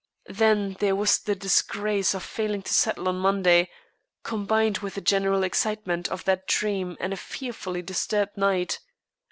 Then there was the disgrace of failing to settle on Monday, combined with the general excitement of that dream and a fearfully disturbed night.